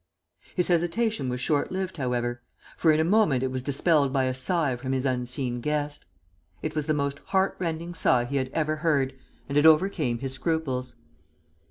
His hesitation was short lived, however, for in a moment it was dispelled by a sigh from his unseen guest. It was the most heartrending sigh he had ever heard, and it overcame his scruples.